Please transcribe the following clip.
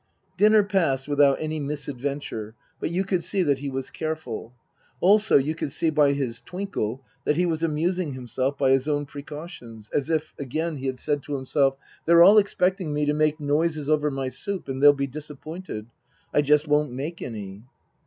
Dinner passed without any misadventure, but you could see that he was careful. Also you could see by his twinkle that he was amusing himself by his own pre cautions, as if, again, he had said to himself, " They're all expecting me to make noises over my soup, and they'll be disappointed. I just won't make any."